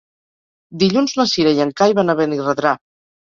Dilluns na Cira i en Cai van a Benirredrà.